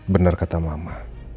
bener kata mama